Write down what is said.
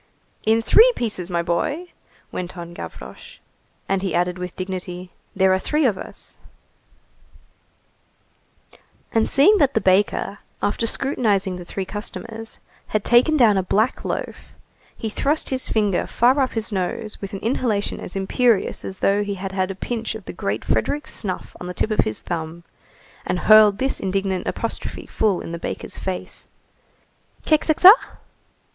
"In three pieces, my boy!" went on Gavroche. And he added with dignity:— "There are three of us." And seeing that the baker, after scrutinizing the three customers, had taken down a black loaf, he thrust his finger far up his nose with an inhalation as imperious as though he had had a pinch of the great Frederick's snuff on the tip of his thumb, and hurled this indignant apostrophe full in the baker's face:— "Keksekça?"